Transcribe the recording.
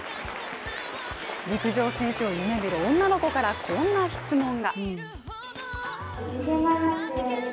陸上選手を夢見る女の子からこんな質問が。